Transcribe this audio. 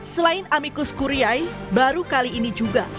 selain amikus kuriai baru kali ini juga